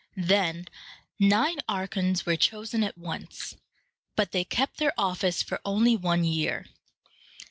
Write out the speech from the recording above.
Then nine archons were chosen at once, but they kept their office for only one year.